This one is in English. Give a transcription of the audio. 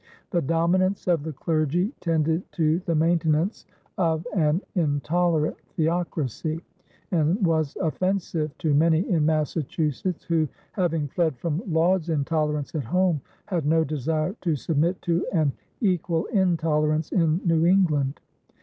The dominance of the clergy tended to the maintenance of an intolerant theocracy and was offensive to many in Massachusetts who, having fled from Laud's intolerance at home, had no desire to submit to an equal intolerance in New England.